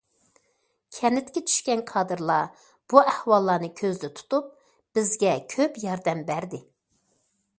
كەنتكە چۈشكەن كادىرلار بۇ ئەھۋاللارنى كۆزدە تۇتۇپ، بىزگە كۆپ ياردەم بەردى.